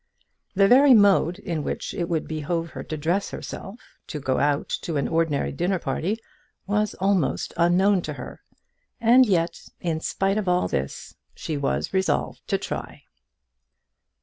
The very mode in which it would behove her to dress herself to go out to an ordinary dinner party, was almost unknown to her. And yet, in spite of all this, she was resolved to try.